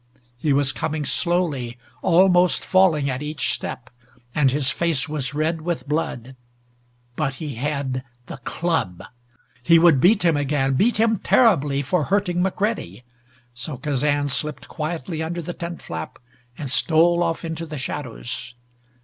He was coming slowly, almost falling at each step, and his face was red with blood. But he had the club! He would beat him again beat him terribly for hurting McCready; so Kazan slipped quietly under the tent flap and stole off into the shadows.